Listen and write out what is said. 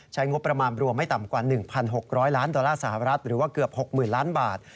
งบประมาณรวมไม่ต่ำกว่า๑๖๐๐ล้านดอลลาร์สหรัฐหรือว่าเกือบ๖๐๐๐ล้านบาท